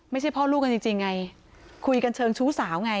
พ่อลูกกันจริงไงคุยกันเชิงชู้สาวไง